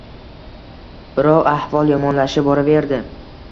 Biroq ahvol yomonlashib boraverdi